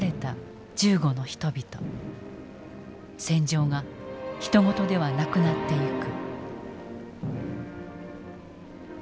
戦場がひと事ではなくなっていく。